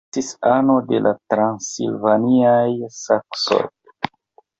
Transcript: Li estis ano de la transilvaniaj saksoj.